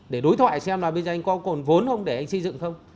để đối thoại xem là bây giờ anh có còn vốn không để anh xây dựng không